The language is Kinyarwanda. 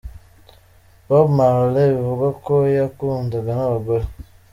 Bob Marley bivugwa ko yakundaga n’abagore.